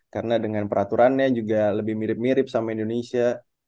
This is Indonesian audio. karena dengan peraturannya juga lebih mirip mirip sama indonesia